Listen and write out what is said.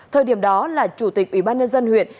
thời điểm đó là chủ tịch ủy ban nhân dân huyện